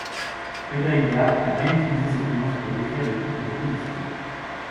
Frédéric Dard a bien utilisé cette nuance pour décrire des couples de policiers.